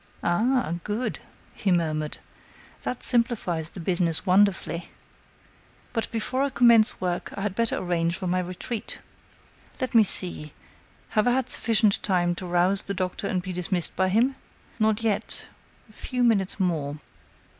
"Ah! good!" he murmured, "that simplifies the business wonderfully. But before I commence work I had better arrange for my retreat. Let me see.... have I had sufficient time to rouse the doctor and be dismissed by him? Not yet.... a few minutes more."